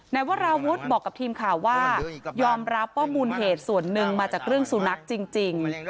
วราวุฒิบอกกับทีมข่าวว่ายอมรับว่ามูลเหตุส่วนหนึ่งมาจากเรื่องสุนัขจริง